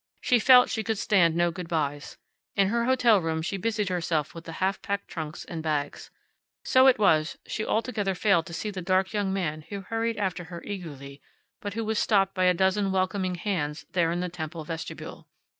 She felt she could stand no good bys. In her hotel room she busied herself with the half packed trunks and bags. So it was she altogether failed to see the dark young man who hurried after her eagerly, and who was stopped by a dozen welcoming hands there in the temple vestibule.